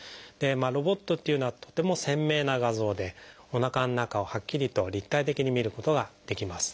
ロボットっていうのはとても鮮明な画像でおなかの中をはっきりと立体的にみることができます。